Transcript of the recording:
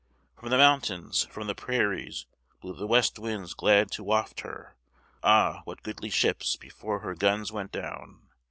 From the mountains, from the prairies, Blew the west winds glad to waft her; Ah, what goodly ships before her guns went down!